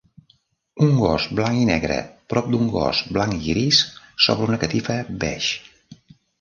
Un gos blanc i negre prop d'un gos blanc i gris sobre una catifa beix.